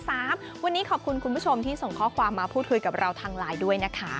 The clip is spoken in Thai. วันนี้ขอบคุณคุณผู้ชมที่ส่งข้อความมาพูดคุยกับเราทางไลน์ด้วยนะคะ